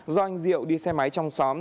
do anh diệu đi xe máy trong xóm